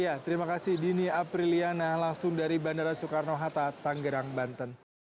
ya terima kasih dini apriliana langsung dari bandara soekarno hatta tanggerang banten